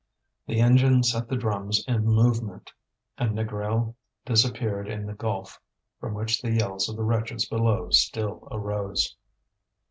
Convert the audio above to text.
The engine set the drums in movement, and Négrel disappeared in the gulf, from which the yells of the wretches below still arose.